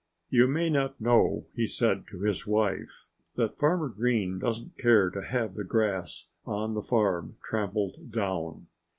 "You may not know," he said to his wife, "that Farmer Green doesn't care to have the grass on the farm trampled down."